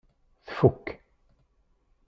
Tfuk.